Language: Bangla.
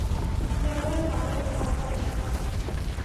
যেভাবে পারো ওই বাল টারে সরাও।